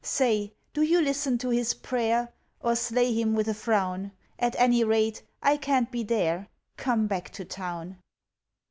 Say, do you listen to his prayer, Or slay him with a frown? At any rate I can't be there. Come back to Town!